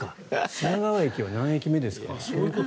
品川駅は何駅目ですか。